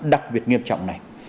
đặc biệt nghiêm trọng này